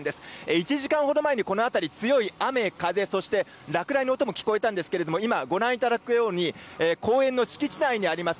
１時間ほど前に、この辺り強い雨、そして落雷の音も聞こえたんですけれど今ご覧いただくように公園の敷地内にあります